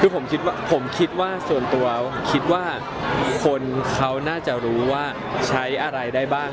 ผมคิดว่าคนเขาน่าจะรู้ว่าใช้อะไรได้บ้าง